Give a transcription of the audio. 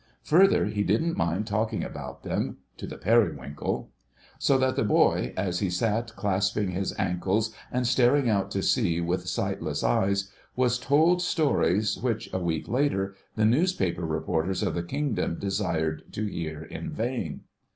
Further, he didn't mind talking about them—to the Periwinkle; so that the boy, as he sat clasping his ankles and staring out to sea with sightless eyes, was told stories which, a week later, the newspaper reporters of the Kingdom desired to hear in vain.